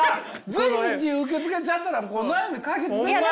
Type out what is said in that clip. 随時受け付けちゃったら悩み解決されないですよ。